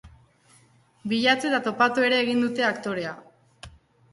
Bilatu eta topatu ere egin dute aktorea!